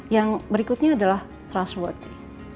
yang berikutnya adalah trustworthy